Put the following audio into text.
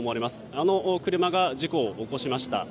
あの車が事故を起こしました。